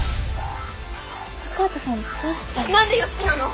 高畑さんどうしたの？